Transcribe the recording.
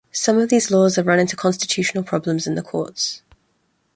Some of these laws have run into constitutional problems in the courts.